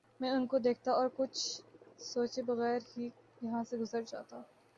میں ان کو دیکھتا اور کچھ سوچے بغیر ہی یہاں سے گزر جاتا